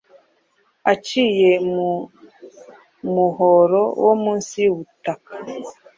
aciye mu muhora wo munsi y'ubutaka